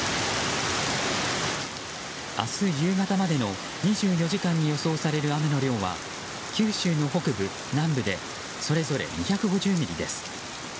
明日夕方までの２４時間に予想される雨の量は九州の北部・南部でそれぞれ２５０ミリです。